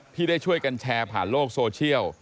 ที่ได้ช่วยกันแชร์ผ่านโลกโซเชียล